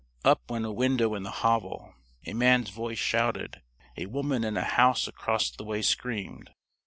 Up went a window in the hovel. A man's voice shouted. A woman in a house across the way screamed.